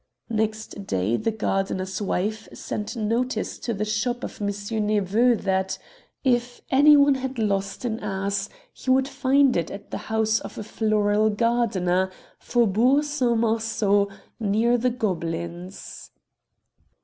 Next day the gardener's wife sent notice to the shop of M. Nepveux that " If any one had lost an ass he would find it at the house of a floral gardener. Faubourg S. Marceau, near the Gobelins."